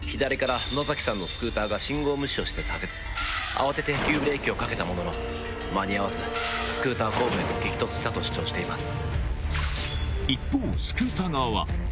慌てて急ブレーキをかけたものの間に合わずスクーター後部へと激突したと主張しています。